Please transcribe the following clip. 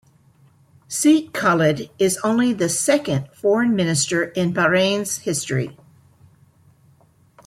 Sheikh Khalid is only the second foreign minister in Bahrain's history.